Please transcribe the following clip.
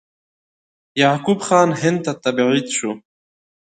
یعقوب خان هند ته تبعید شو.